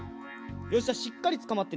よしじゃしっかりつかまってね。